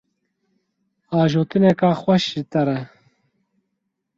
Ajotineka xweş ji te re!